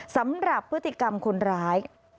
สำหรับพฤติกรรมคนร้าย